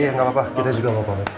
iya gak apa apa kita juga mau pamit